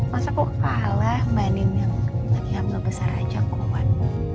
masa kok kalah mbak nin yang lagi ambil besar aja kawan